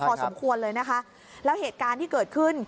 พอสมควรเลยนะคะแล้วเหตุการณ์ที่เกิดขึ้น